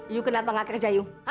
i kenapa gak kerja i